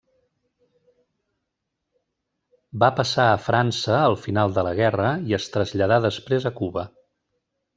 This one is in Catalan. Va passar a França al final de la guerra i es traslladà després a Cuba.